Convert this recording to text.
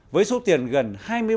với số tiền gần hai mươi triệu đồng